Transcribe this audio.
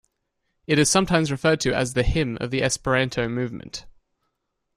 It is sometimes referred to as the hymn of the Esperanto movement.